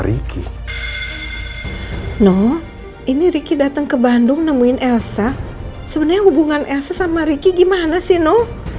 riki no ini riki datang ke bandung nemuin elsa sebenarnya hubungan elsa sama ricky gimana sih no